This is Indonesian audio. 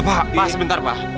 papa sebentar pa